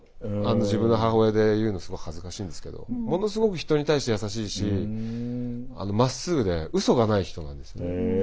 自分の母親で言うのすごい恥ずかしいんですけどものすごく人に対して優しいしまっすぐでうそがない人なんですよね。